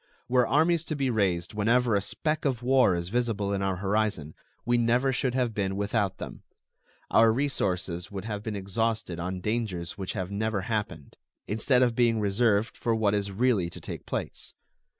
Were armies to be raised whenever a speck of war is visible in our horizon, we never should have been without them. Our resources would have been exhausted on dangers which have never happened, instead of being reserved for what is really to take place.